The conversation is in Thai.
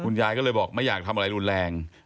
ยายก็เลยบอกไม่อยากทำอะไรรุนแรง